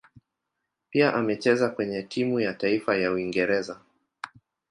Pia amecheza kwenye timu ya taifa ya Uingereza.